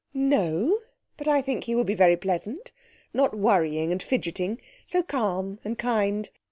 'No. But I think he will be very pleasant not worrying and fidgeting so calm and kind.